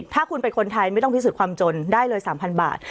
ถ้าคุณเป็นคนไทยไม่ต้องพิสูจน์ความจนได้เลย๓๐๐บาท